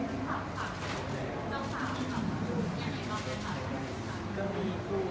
ก็ฝากลูกเขาจะเป็นห่วง